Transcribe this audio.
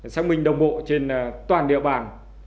xác minh đồng bộ trên toàn địa bàn